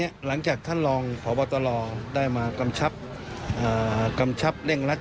ยังได้นำตัวส่ง